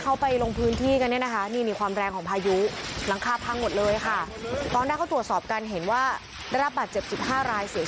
หลายคนหลายคนหลายคนหลายคนหลายคนหลายคนหลายคนหลายคนหลายคนหลายคน